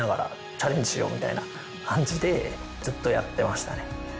チャレンジしようみたいな感じでずっとやってましたね。